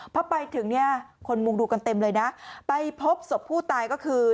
พอไปถึงเนี่ยคนมุงดูกันเต็มเลยนะไปพบศพผู้ตายก็คือ